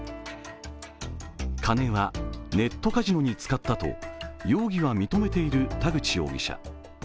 金はネットカジノに使ったと容疑は認めている田口容疑者。